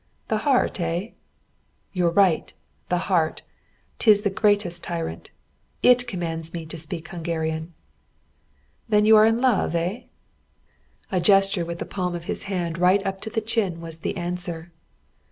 "The heart, eh?" "You're right. The heart. 'Tis the greatest tyrant. It commands me to speak Hungarian." "Then you are in love, eh?" A gesture with the palm of his hand right up to the chin was the answer.